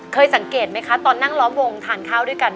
เคยสังเกตไหมคะตอนนั่งล้อมวงทานข้าวด้วยกัน